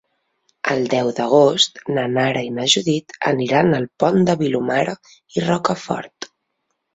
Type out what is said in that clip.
El deu d'agost na Nara i na Judit aniran al Pont de Vilomara i Rocafort.